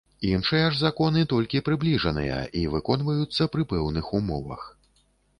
Іншыя ж законы толькі прыбліжаныя і выконваюцца пры пэўных умовах.